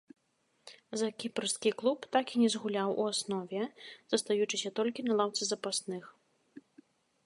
За кіпрскі клуб так і не згуляў у аснове, застаючыся толькі на лаўцы запасных.